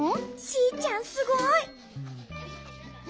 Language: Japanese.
シーちゃんすごい。